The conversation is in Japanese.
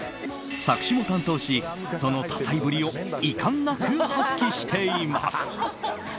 作詞も担当し、その多才ぶりをいかんなく発揮しています。